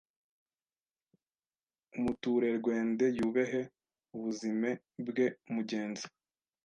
Umuturerwende yubehe ubuzime bwe mugenzi